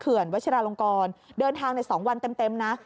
วัชราลงกรเดินทางใน๒วันเต็มนะ